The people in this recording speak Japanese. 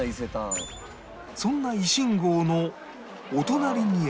そんな維新號のお隣にある